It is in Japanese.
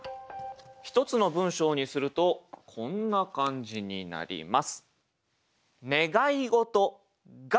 一つの文章にするとこんな感じになります。